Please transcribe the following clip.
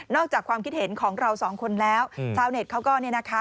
นอกจากความคิดเห็นของเราสองคนแล้วชาวเน็ตเขาก็